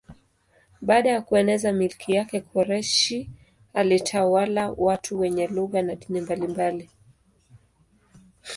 Baada ya kueneza milki yake Koreshi alitawala watu wenye lugha na dini mbalimbali.